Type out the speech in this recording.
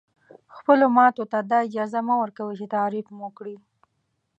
خپلو ماتو ته دا اجازه مه ورکوئ چې تعریف مو کړي.